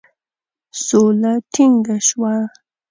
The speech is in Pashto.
سوله ټینګه سوه.